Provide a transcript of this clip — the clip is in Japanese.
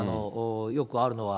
よくあるのは、